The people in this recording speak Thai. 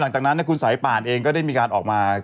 หลังจากนั้นคุณสายป่านเองก็ได้มีการออกมา